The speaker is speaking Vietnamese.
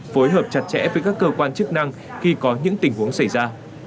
phối hợp chặt chẽ với các cơ quan chức năng khi có những tình huống xảy ra